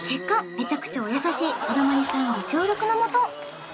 メチャクチャお優しいおだまりさんご協力のもと